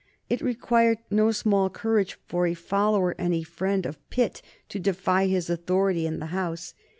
It required no small courage for a follower and a friend of Pitt to defy his authority in the House.